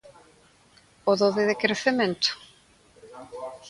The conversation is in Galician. O do decrecemento?